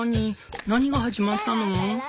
何が始まったの？」。